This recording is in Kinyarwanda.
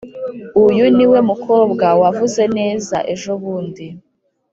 uyu niwe mukobwa wavuze neza ejobundi?